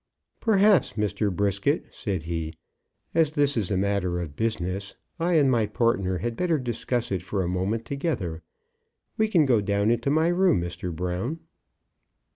"Perhaps, Mr. Brisket," said he, "as this is a matter of business, I and my partner had better discuss it for a moment together. We can go down into my room, Mr. Brown."